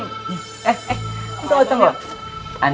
eh eh udah mau ditemukan